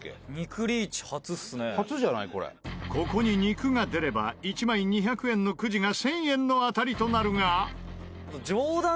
ここに肉が出れば１枚２００円のくじが１０００円の当たりとなるが。